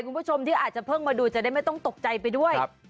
คุณผู้ชมที่อาจจะเพิ่งมาดูจะได้ไม่ต้องตกใจไปด้วย